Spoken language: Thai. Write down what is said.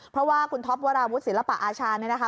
เพราะว่าคุณท็อปวราวุฒิศิลปะอาชาเนี่ยนะคะ